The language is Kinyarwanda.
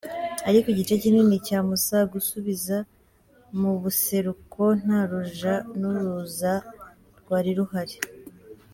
Ariko igice kinini ca Musaga usubiza mu buseruko nta ruja n'uruza rwari ruhari.